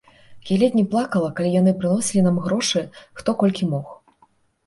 Я ледзь не плакала, калі яны прыносілі нам грошы, хто колькі мог.